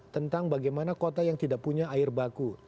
tentang bagaimana kota yang kita membangunnya itu tidak akan menarik